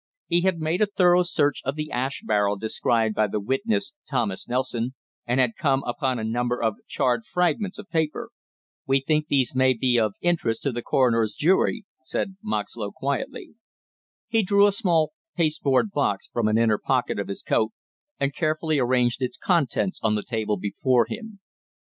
He had made a thorough search of the ash barrel described by the witness Thomas Nelson, and had come upon a number of charred fragments of paper. "We think these may be of interest to the coroner's jury," said Moxlow quietly. He drew a small pasteboard box from an inner pocket of his coat and carefully arranged its contents on the table before him.